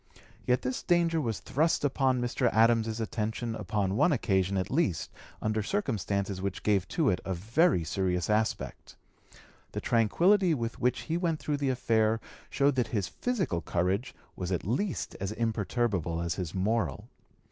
Yet this danger was thrust upon Mr. Adams's attention upon one occasion at least under circumstances which gave to it a very serious aspect. The tranquillity with which he went through the affair showed that his physical courage was as imperturbable as his moral.